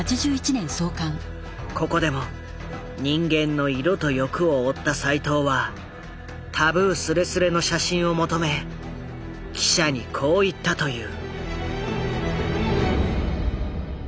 ここでも人間の色と欲を追った齋藤はタブーすれすれの写真を求め記者にこう言ったという。